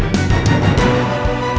ya kita berhasil